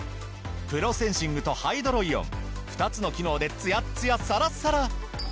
プロセンシングとハイドロイオン２つの機能でツヤッツヤサラッサラ！